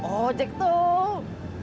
oh jack tuh